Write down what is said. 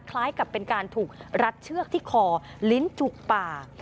คล้ายกับเป็นการถูกรัดเชือกที่คอลิ้นจุกปาก